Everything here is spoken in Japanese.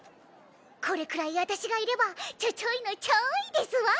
これくらい私がいればちょちょいのちょいですわ。